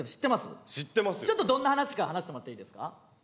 ちょっとどんな話か話してもらっていいですか？